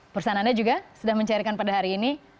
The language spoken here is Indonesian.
perusahaan anda juga sudah mencairkan pada hari ini